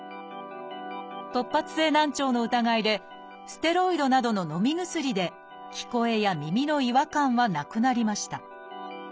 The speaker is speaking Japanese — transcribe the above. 突発性難聴の疑いでステロイドなどののみ薬で聞こえや耳の違和感はなくなりました。